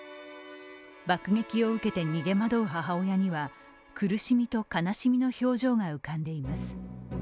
爆撃を受けて逃げ惑う母親には苦しみと悲しみの表情が浮かんでいます。